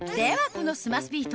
このスマスビート